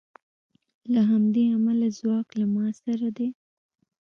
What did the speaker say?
له همدې امله ځواک له ما سره دی